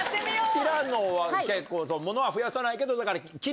平野は結構物は増やさないけど。